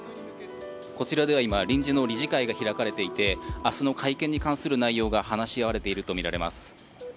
こちらでは今、臨時の理事会が開かれていて、明日の会見に関する内容が話し合われているとみられます。